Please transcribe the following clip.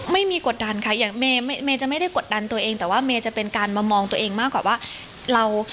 กดดันค่ะอย่างเมย์จะไม่ได้กดดันตัวเองแต่ว่าเมย์จะเป็นการมามองตัวเองมากกว่าว่าเรา